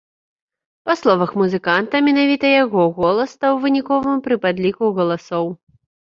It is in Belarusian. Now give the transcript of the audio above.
Па словах музыканта, менавіта яго голас стаў выніковым пры падліку галасоў.